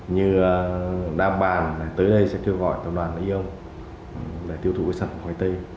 như đa bàn tới đây sẽ kêu gọi tổng đoàn lý âu để tiêu thụ sản phẩm khoai tây